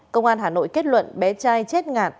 cơ quan hà nội kết luận bé trai chết ngạt